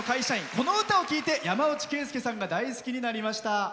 この歌を聴いて、山内惠介さんが大好きになりました。